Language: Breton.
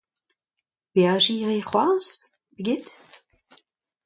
Beajiñ a ri c'hoazh pe get ?